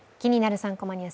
３コマニュース」